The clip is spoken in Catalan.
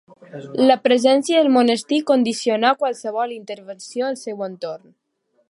La presència del Monestir condicionà qualsevol intervenció al seu entorn.